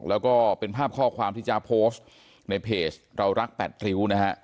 แล้วก็เป็นภาพข้อความที่จ๊ะโพสต์ในเพจเรารัก๘ริ้วนะฮะ